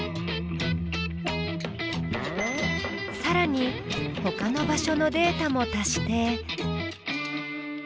さらにほかの場所のデータも足して。